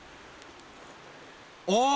あっ。